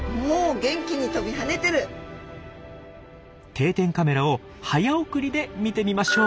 定点カメラを早送りで見てみましょう。